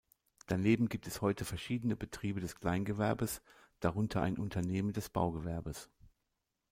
Daneben gibt es heute verschiedene Betriebe des Kleingewerbes, darunter ein Unternehmen des Baugewerbes.